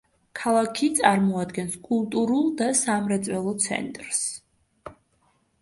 ქალაქი წარმოადგენს კულტურულ და სამრეწველო ცენტრს.